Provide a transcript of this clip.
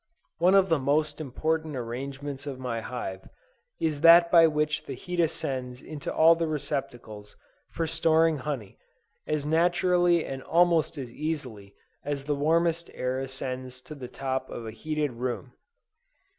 One of the most important arrangements of my hive, is that by which the heat ascends into all the receptacles for storing honey, as naturally and almost as easily as the warmest air ascends to the top of a heated room.